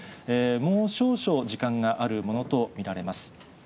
もう少々、時間があるものと見られます。